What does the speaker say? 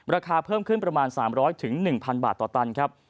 ราคาเพิ่มขึ้นประมาณ๓๐๐๑๐๐บาทต่อตันครับ